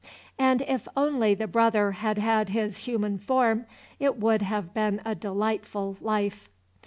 And if only the brother had had his human form it would have been a delightful life.